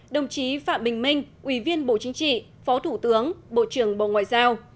đồng chí phạm bình minh ủy viên bộ chính trị phó thủ tướng bộ trưởng bộ ngoại giao